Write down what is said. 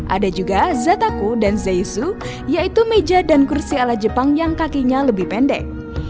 ada juga zataku dan zaisu yaitu meja dan kursi ala jepang yang kakinya lebih pendek